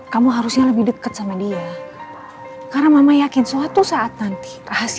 kamu harusnya lebih deket sama dia karena mama yakin soalnya kamu akan mencari kebahagiaan riki